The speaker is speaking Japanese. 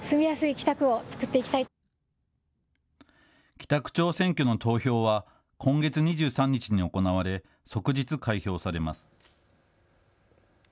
北区長選挙の投票は今月２３日に行われ、即日開票されます。